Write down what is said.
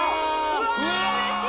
うわうれしい！